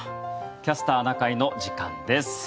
「キャスターな会」の時間です。